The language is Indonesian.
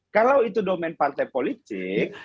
kalau itu domen partai politik